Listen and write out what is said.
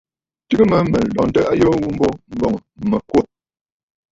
Tɨgə mə mə̀ lɔntə ayoo ghu mbo, m̀bɔŋ mə̀ kwô.